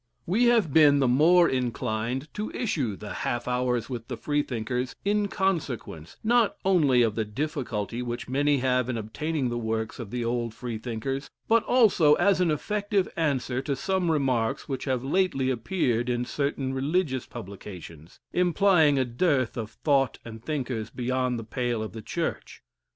We have been the more inclined to issue the "Half Hours with the Freethinkers" in consequence, not only of the difficulty which many have in obtaining the works of the Old Freethinkers, but also as an effective answer to some remarks which have lately appeared in certain religious publications, implying a dearth of thought and thinkers beyond the pale of the Church.